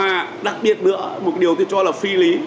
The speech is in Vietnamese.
và đặc biệt nữa một điều tôi cho là phi lý